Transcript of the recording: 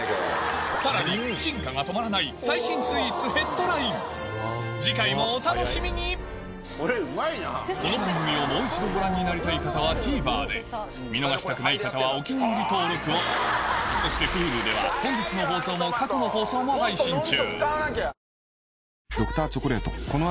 さらに次回もお楽しみにこの番組をもう一度ご覧になりたい方はＴＶｅｒで見逃したくない方は「お気に入り」登録をそしてＨｕｌｕでは本日の放送も過去の放送も配信中